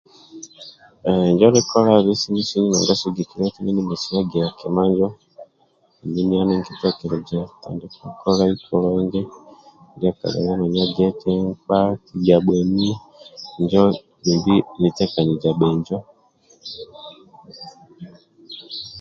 Hhh injo nikolabei sini sini naga sigikilia eti ndie nimeisi ega kima injo dumbi niya ninkitekeleza tandika kolai kulungi ndia kalibe gia eti nkpa akigia bhoni injo nitekaniza bhinjo